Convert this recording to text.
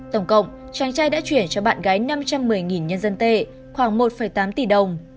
tổng cộng chàng trai đã chuyển cho bạn gái năm trăm một mươi nhân dân tệ khoảng một tám tỷ đồng